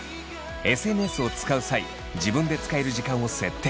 ＳＮＳを使う際自分で使える時間を設定。